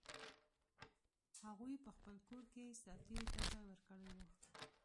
هغوی په خپل کور کې سرتېرو ته ځای ورکړی و.